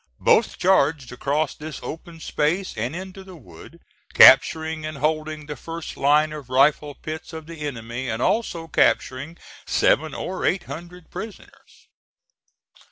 Both charged across this open space and into the wood, capturing and holding the first line of rifle pits of the enemy, and also capturing seven or eight hundred prisoners.